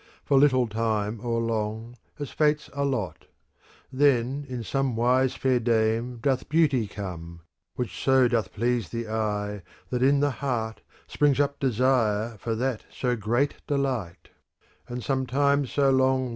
For little time or long, as fates allot : Then in some wise fair dame doth beauty come. Which so doth please the eye, that in the heart i° Springs up desire for that so great delight; SONNET X 2 From K. iV. c. 20.